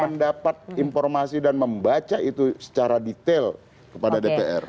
mendapat informasi dan membaca itu secara detail kepada dpr